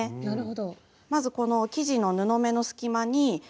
なるほど。